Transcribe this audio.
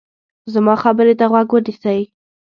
زما خبرې ته غوږ ونیسئ.